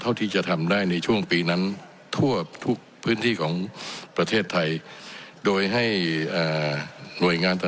เท่าที่จะทำได้ในช่วงปีนั้นทั่วทุกพื้นที่ของประเทศไทย